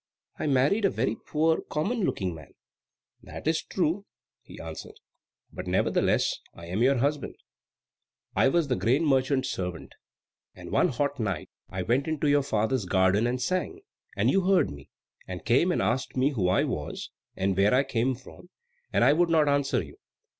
I married a very poor, common looking man." "That is true," he answered, "but nevertheless I am your husband. I was the grain merchant's servant; and one hot night I went into your father's garden and sang, and you heard me, and came and asked me who I was and where I came from, and I would not answer you.